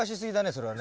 それは。